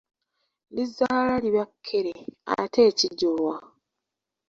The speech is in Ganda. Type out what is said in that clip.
Ndizaala liba kkere ate ekijolwa?